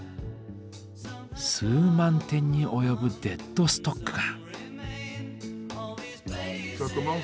数万点に及ぶデッドストックが。